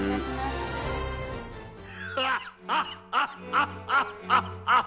ハッハッハッハハッハッハ！